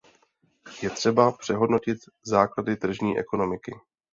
Je třeba přehodnotit základy tržní ekonomiky.